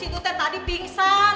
si tutet tadi pingsan